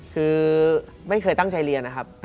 คือไม่เคยตั้งใจเรียนนะครับ